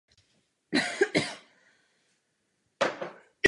V České republice je rozšířena po celém území a ve všech výškových stupních.